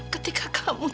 ken kau mau ngomong apa